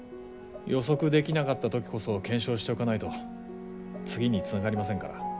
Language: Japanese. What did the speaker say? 予測できなかった時こそ検証しておかないと次につながりませんから。